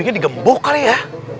inget di gembok kali ya